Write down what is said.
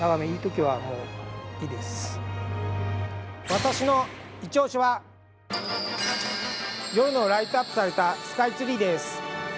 私のいちオシは夜のライトアップされたスカイツリーです。